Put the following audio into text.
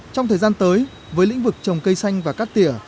trong thời gian tới với lĩnh vực trồng cây xanh và cắt tỉa